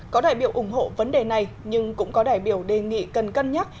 có đại biểu ủng hộ vấn đề này nhưng cũng có đại biểu đề nghị cần cân nhắc